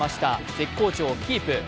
絶好調をキープ。